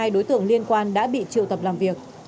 ba mươi hai đối tượng liên quan đã bị triệu tập làm việc